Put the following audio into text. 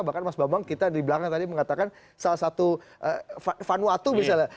bahkan mas bambang kita di belakang tadi mengatakan salah satu vanuatu misalnya